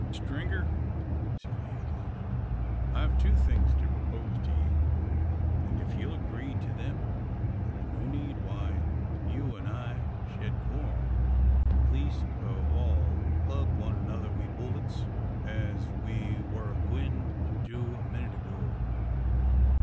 "Strenger!" said he at length, "I've two things to propose to ye; an' ef you'll agree to them, thur's no need why you an' I shed quarrel leest of all plug one another wi' bullets, as we wur agwine to do a minnit ago."